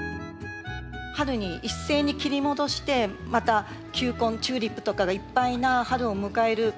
春に一斉に切り戻してまた球根チューリップとかがいっぱいな春を迎える。